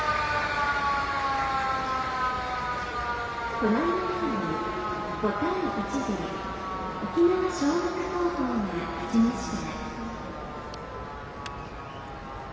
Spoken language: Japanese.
ご覧のように５対１で沖縄尚学高校が勝ちました。